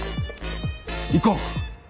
行こう！